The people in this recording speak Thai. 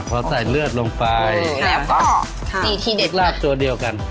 พอใส่เลือดลงไปแล้วก็ตีทีเด็ดลาดตัวเดียวกัน